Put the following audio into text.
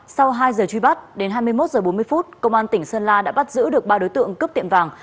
sau hai giờ truy bắt đến hai mươi một h bốn mươi công an tỉnh sơn la đã bắt giữ được ba đối tượng cướp tiệm vàng